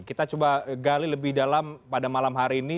kita coba gali lebih dalam pada malam hari ini